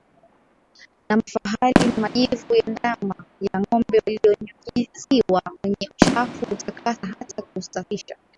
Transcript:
na mafahali na majivu ya ndama ya ngombe waliyonyunyiziwa wenye uchafu hutakasa hata kuusafisha